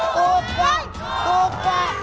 ถูกกว่า